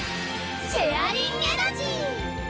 シェアリンエナジー！